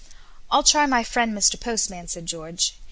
"I'll try my friend, Mr. Postman," said George.